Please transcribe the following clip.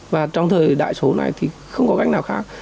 và trong thời đại số này thì không có cách nào khác